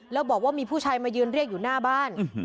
แล้วบอกว่ามีผู้ชายมายืนเรียกอยู่หน้าบ้าน